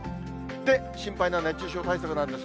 で、心配な熱中症対策なんです。